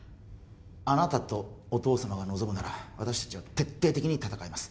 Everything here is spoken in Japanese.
あなたとお父様が望むなら私達は徹底的に戦います